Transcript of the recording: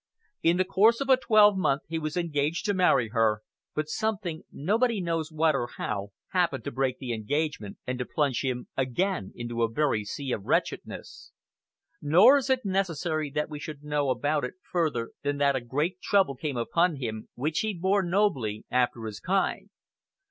In the course of a twelvemonth he was engaged to marry her, but something, nobody knows what or how, happened to break the engagement, and to plunge him again in a very sea of wretchedness. Nor is it necessary that we should know about it further than that a great trouble came upon him, which he bore nobly, after his kind.